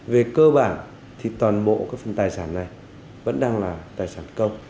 về cơ bản thì toàn bộ phần tài sản này vẫn đang là tài sản công